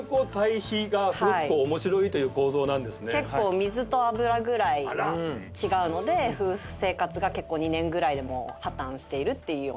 水と油ぐらい違うので夫婦生活が２年ぐらいで破綻しているっていうような。